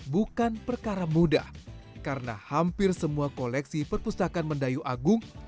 bukan perkara mudah karena hampir semua koleksi perpustakaan mendayu agung